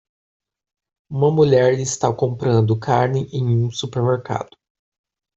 Uma mulher está comprando carne em um supermercado.